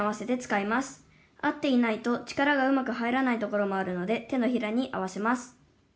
合っていないと力がうまく入らないところもあるので手のひらに合わせます」。